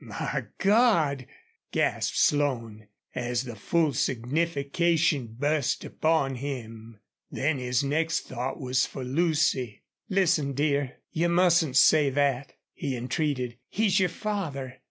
"My God!" gasped Slone, as the full signification burst upon him. Then his next thought was for Lucy. "Listen, dear you mustn't say that," he entreated. "He's your father.